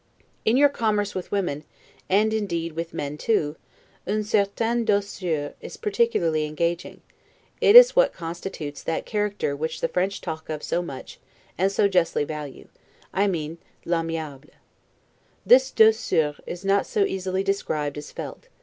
In your commerce with women, and indeed with men too, 'une certaine douceur' is particularly engaging; it is that which constitutes that character which the French talk of so much, and so justly value, I mean 'l'aimable'. This 'douceur' is not so easily described as felt.